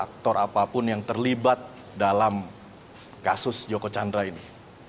aktor apapun yang terlibat dalam kasus joko chandra ini